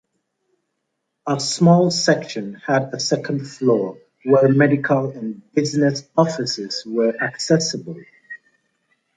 A small section had a second floor where medical and business offices were accessible.